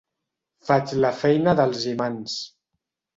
Faig la feina dels imants.